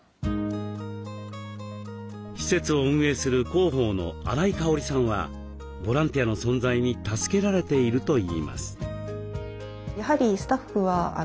施設を運営する広報の新井かおりさんはボランティアの存在に助けられているといいます。